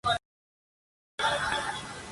Con Willy Barclay Jr.